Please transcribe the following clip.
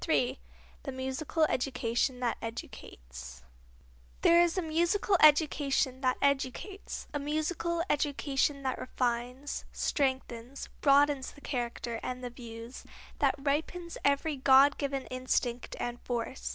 III The Musical Education That Educates There is a musical education that educates, a musical education that refines, strengthens, broadens the character and the views, that ripens every God given instinct and force.